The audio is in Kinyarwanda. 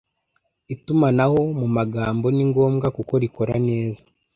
Itumanaho mu magambo ni ngombwa kuko rikora neza